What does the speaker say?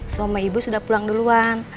suami ibu sudah pulang duluan